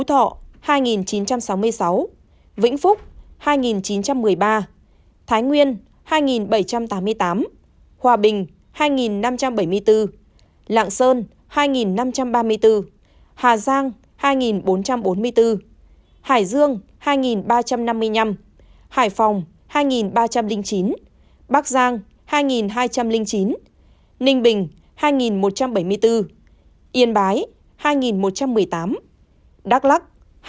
thái nguyên hai nghìn bảy trăm tám mươi tám hòa bình hai nghìn năm trăm bảy mươi bốn lạng sơn hai nghìn năm trăm ba mươi bốn hà giang hai nghìn bốn trăm bốn mươi bốn hải dương hai nghìn ba trăm năm mươi năm hải phòng hai nghìn ba trăm linh chín bắc giang hai nghìn hai trăm linh chín ninh bình hai nghìn một trăm bảy mươi bốn yên bái hai nghìn một trăm một mươi tám đắk lắc hai nghìn một trăm một mươi sáu